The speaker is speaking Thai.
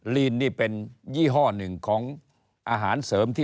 ลีนนี่เป็นยี่ห้อหนึ่งของอาหารเสริมที่